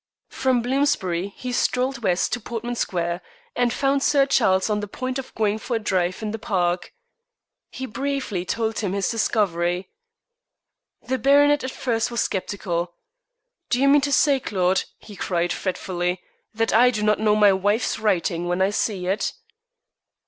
From Bloomsbury he strolled west to Portman Square, and found Sir Charles on the point of going for a drive in the Park. He briefly told him his discovery. The baronet at first was sceptical. "Do you mean to say, Claude," he cried, fretfully, "that I do not know my wife's writing when I see it?"